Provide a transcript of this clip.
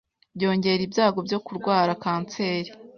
byongera ibyago byo kurwara kanseri